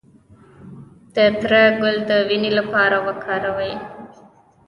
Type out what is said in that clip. د تره ګل د وینې لپاره وکاروئ